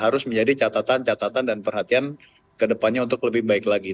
harus menjadi catatan catatan dan perhatian kedepannya untuk lebih baik lagi